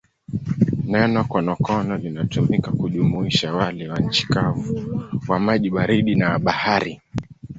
Neno konokono linatumika kujumuisha wale wa nchi kavu, wa maji baridi na wa bahari.